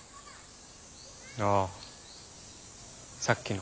ああさっきの。